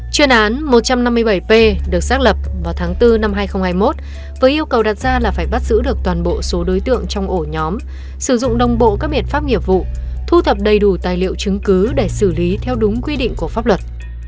chuyên án một trăm năm mươi bảy p được xác lập vào tháng bốn năm hai nghìn hai mươi một với yêu cầu đặt ra là phải bắt giữ được toàn bộ số đối tượng trong ổ nhóm sử dụng đồng bộ các biện pháp nghiệp vụ thu thập đầy đủ tài liệu chứng cứ để xử lý theo đúng quy định của pháp luật